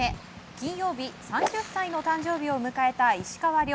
金曜日、３０歳の誕生日を迎えた石川遼。